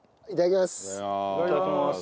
いただきます。